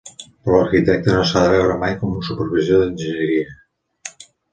Però l'arquitecte no s'ha de veure mai com un supervisor d'enginyeria.